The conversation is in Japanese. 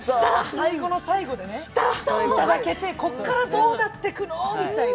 最後の最後でいただけて、ここからどうなっていくの？みたいな。